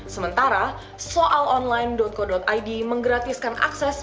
sementara soalonline co id menggratiskan akses